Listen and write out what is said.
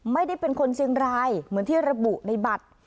ไม่ได้เป็นคนเชียงรายเหมือนที่ระบุในบัตร